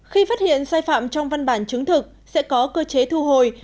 khi phát hiện sai phạm trong văn bản chứng thực sẽ có cơ chế thu hồi